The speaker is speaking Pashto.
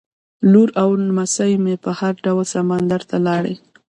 لور او نمسۍ مې په هر ډول سمندر ته لاړې.